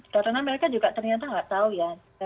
karena mereka juga ternyata tidak tahu ya